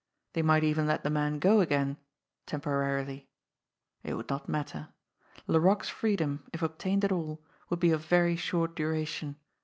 They might even let the man go again temporarily. It would not matter. Laroque's freedom, if obtained at all, would be of very short duration.